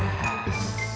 assalamualaikum pak deh